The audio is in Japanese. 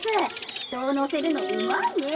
人を乗せるのうまいねえ。